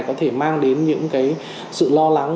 có thể mang đến những cái sự lo lắng